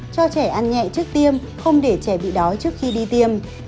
cho trẻ ăn nhẹ trước tiêm không để trẻ bị đói trước khi đi tiêm